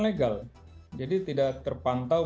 legal jadi tidak terpantau